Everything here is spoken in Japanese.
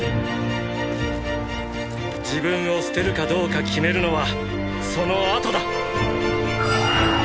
自分を捨てるかどうか決めるのはその後だ！